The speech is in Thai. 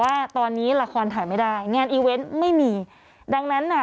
ว่าตอนนี้ละครถ่ายไม่ได้งานอีเวนต์ไม่มีดังนั้นน่ะ